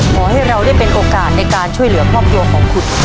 ขอให้เราได้เป็นโอกาสในการช่วยเหลือครอบครัวของคุณ